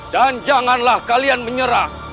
dan janganlah kalian menyerang